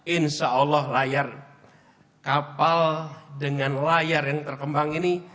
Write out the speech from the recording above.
insya allah layar kapal dengan layar yang terkembang ini